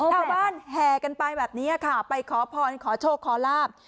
แห่กันไปแบบนี้ค่ะไปขอพรขอโชคขอลาบ